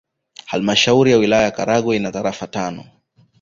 Halmashauri ya Wilaya ya Karagwe ina tarafa tano